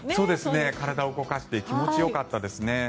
体を動かして気持ちがよかったですね。